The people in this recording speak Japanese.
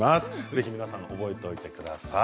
是非皆さん覚えておいてください。